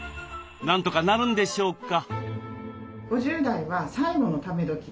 なんとかなるんでしょうか？